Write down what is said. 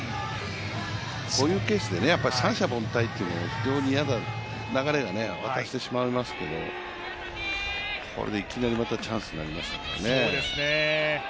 こういうケースで三者凡退っていうのは流れを渡してしまいますけどこれでいきなりチャンスになりましたからね。